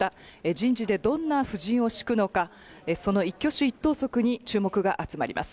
人事でどんな布陣を敷くのか、その一挙手一投足に注目が集まります。